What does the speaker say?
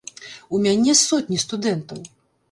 У мяне сотні студэнтаў.